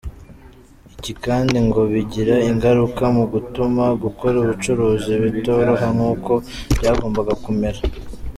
Ibi kandi ngo bigira ingaruka mu gutuma gukora ubucuruzi bitoroha nk’uko byagombaga kumera.